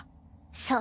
そう。